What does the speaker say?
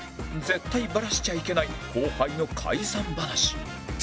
絶対バラしちゃいけない後輩の解散話